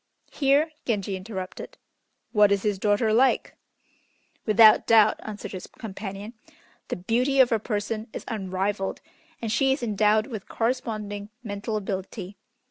Here Genji interrupted. "What is his daughter like?" "Without doubt," answered his companion, "the beauty of her person is unrivalled, and she is endowed with corresponding mental ability.